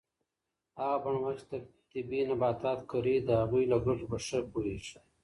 هغه بڼوال چې طبي نباتات کري د هغوی له ګټو په ښه پوهیږي.